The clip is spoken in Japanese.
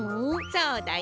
そうだよ。